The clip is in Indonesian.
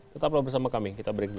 tetaplah bersama kami kita break dulu